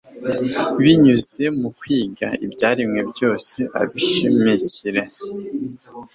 binyuze mu kwiga ibyaremwe byose abishimikiriye